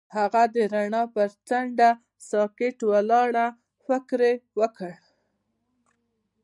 هغه د رڼا پر څنډه ساکت ولاړ او فکر وکړ.